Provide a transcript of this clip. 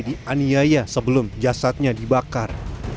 di aniaya sebelum jasadnya dibakar